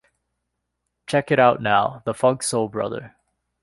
Check it out now, the funk soul brother.